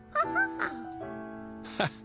ハハハハ。